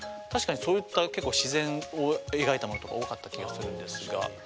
確かにそういった結構自然を描いたものとか多かった気がするんですが。